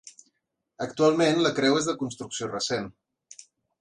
Actualment la creu és de construcció recent.